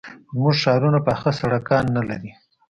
زموږ ښارونه پاخه سړکان نه لري.